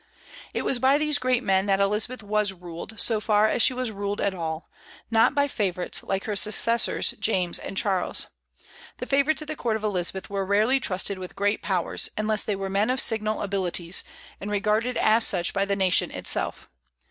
It was by these great men that Elizabeth was ruled, so far as she was ruled at all, not by favorites, like her successors, James and Charles. The favorites at the court of Elizabeth were rarely trusted with great powers unless they were men of signal abilities, and regarded as such by the nation itself.